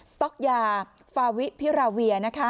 สต๊อกยาฟาวิพิราเวีย